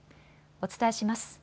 お伝えします。